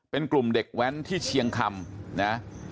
เป็นกลุ่มเด็กแว้นที่เชียงคำนะ